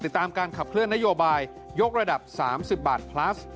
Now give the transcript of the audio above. ติดตามการขับเคลื่อนนโยบายยกระดับ๓๐บาทพลัส